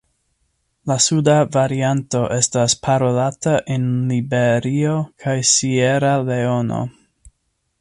La suda varianto estas parolata en Liberio kaj Sieraleono.